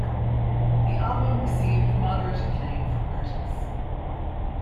The album received moderate acclaim from critics.